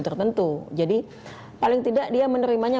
tertentu jadi paling tidak dia menerimanya